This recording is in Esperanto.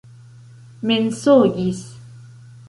mensogis